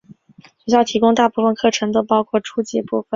学校提供的大部分课程都包括初级部分。